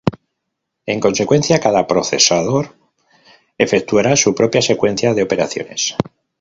En consecuencia, cada procesador efectuará su propia secuencia de operaciones.